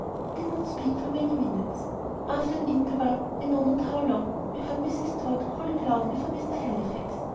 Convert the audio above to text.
He did not speak for many minutes. After an interval I know not how long we heard Mrs. Tod calling loudly for "Mr. Halifax."